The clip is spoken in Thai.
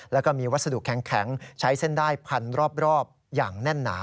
แล้วก็มีวัสดุแข็งใช้เส้นได้พันรอบอย่างแน่นหนา